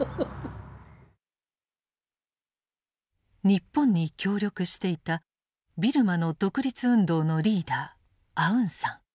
日本に協力していたビルマの独立運動のリーダーアウンサン